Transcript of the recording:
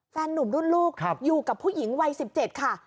หนุ่มรุ่นลูกอยู่กับผู้หญิงวัย๑๗ค่ะ